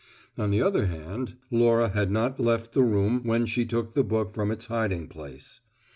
On the other hand, Laura had not left the room when she took the book from its hiding place.